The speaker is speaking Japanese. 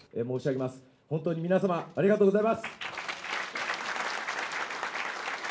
本当に皆様、ありがとうございます。